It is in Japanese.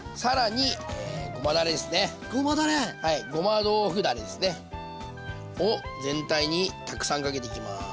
ごま豆腐だれですね。を全体にたくさんかけていきます。